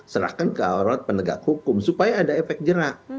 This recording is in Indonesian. serahkan ke awarat penegak hukum supaya ada efek jerak